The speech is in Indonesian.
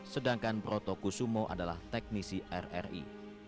sedangkan proto kusumo adalah teknisi rri